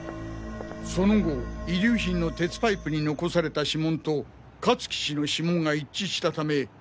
その後遺留品の鉄パイプに残された指紋と香月氏の指紋が一致したため。